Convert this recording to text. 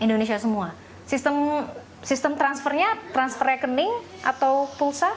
indonesia semua sistem transfernya transfer rekening atau pulsa